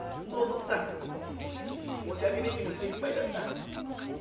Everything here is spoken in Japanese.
っつぁん申し訳ねえ気持ちでいっぱいだった。